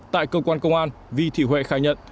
tại cơ quan công an vi thị huệ khai nhận